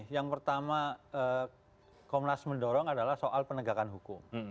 yang pertama komnas mendorong adalah soal penegakan hukum